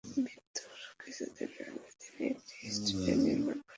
মৃত্যুর কিছুদিন আগে তিনি একটি স্টুডিও নির্মাণ করেছিলেন।